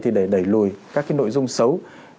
thì để đẩy lùi các cái nội dung xấu